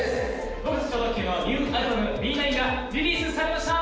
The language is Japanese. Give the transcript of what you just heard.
僕達超特急のニューアルバム「Ｂ９」がリリースされました